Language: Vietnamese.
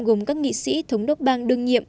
gồm các nghị sĩ thống đốc bang đương nhiệm